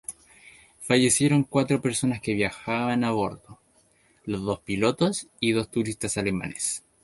Fallecieron cuatro personas que viajaban a bordo: los dos pilotos y dos turistas alemanes.